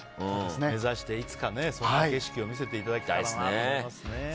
目指して、いつかそんな景色を見せていただけたらなと思いますね。